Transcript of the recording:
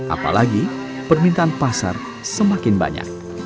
apalagi permintaan pasar semakin banyak